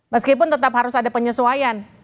meskipun tetap harus ada penyesuaian